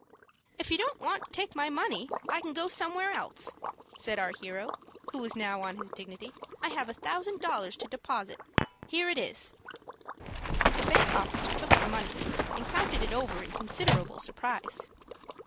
"If you don't want to take the money, I can go somewhere else," said our hero, who was now on his dignity. "I have a thousand dollars to deposit. Here it is." The bank officer took the money, and counted it over in considerable surprise.